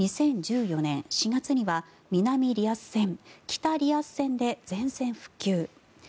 ２０１４年４月には南リアス線、北リアス線で全線復旧。